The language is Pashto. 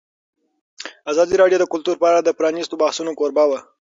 ازادي راډیو د کلتور په اړه د پرانیستو بحثونو کوربه وه.